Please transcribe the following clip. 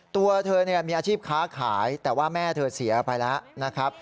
ตัวเธอมีอาชีพค้าขายแต่ว่าแม่เธอเสียไปแล้วนะครับ